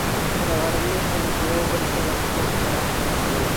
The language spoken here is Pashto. تر غرمې خلک له یو بل سره د پور په اړه خبرې کوي.